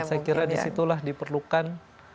saya kira disitulah diperlukan